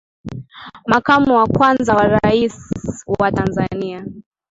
Makamo wa kwanza wa Rais wa Tanzania